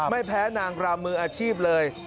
ไม่แพ้นางรำมืออาชีพเลย